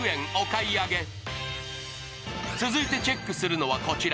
続いてチェックするのはこちら。